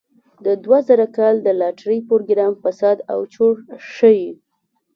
د دوه زره کال د لاټرۍ پروګرام فساد او چور ښيي.